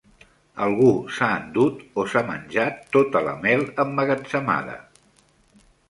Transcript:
Algú s'ha endut o s'ha menjat tota la mel emmagatzemada.